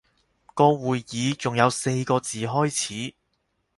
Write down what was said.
個會議仲有四個字開始